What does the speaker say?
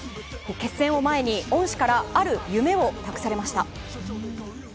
決戦を前に、恩師からある夢を託されました。